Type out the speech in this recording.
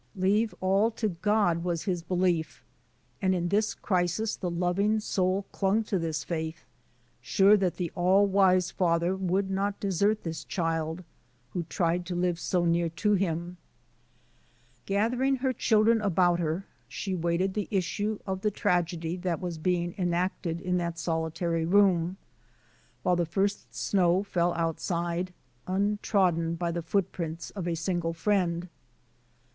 "Leave all to God,*' was his belief; and in this crisis the loving soul clung to this faith, sure that the Allwise Father would not desert this child who tried to live so near to Him. Gathering her children about her, she waited the issue of the Digitized by VjOOQ IC TRANSCENDENTAL WILD OATS 171 tragedy that was being enacted in that solitary room, while the first snow fell outside, untrodden by the footprints of a single friend.